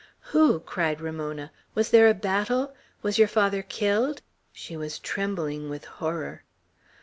"Who?" cried Ramona. "Was there a battle? Was your father killed?" She was trembling with horror.